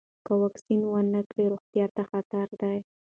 که واکسین ونه کړئ، روغتیا ته خطر دی.